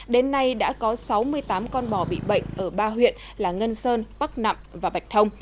đến nay đã có sáu mươi tám con bò bị bệnh ở ba huyện là ngân sơn bắc nặng và bạch thông